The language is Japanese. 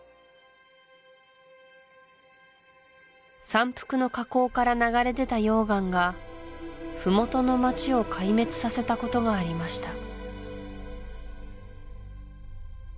山腹の火口から流れ出た溶岩が麓の街を壊滅させたことがありました